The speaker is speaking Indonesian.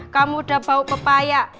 kamu udah bau pepaya